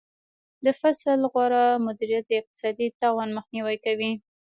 د فصل غوره مدیریت د اقتصادي تاوان مخنیوی کوي.